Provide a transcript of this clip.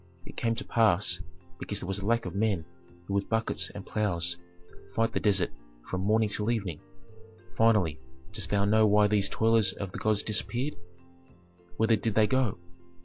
It came to pass because there was a lack of men who with buckets and ploughs fight the desert from morning till evening. Finally, dost thou know why these toilers of the gods disappeared? Whither did they go?